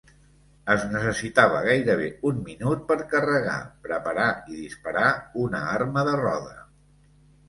Es necessitava gairebé un minut per carregar, preparar i disparar una arma de roda.